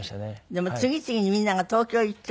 でも次々にみんなが東京行っちゃうので。